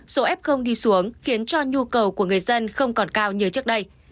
số ép không đi xuống khiến cho nhu cầu của người dân không còn cao như trước đây